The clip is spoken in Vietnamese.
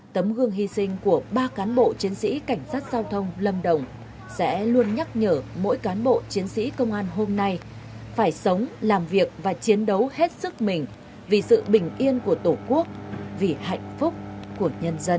tấm gương hy sinh của ba cán bộ chiến sĩ cảnh sát giao thông lâm đồng sẽ luôn nhắc nhở mỗi cán bộ chiến sĩ công an hôm nay phải sống làm việc và chiến đấu hết sức mình vì sự bình yên của tổ quốc vì hạnh phúc của nhân dân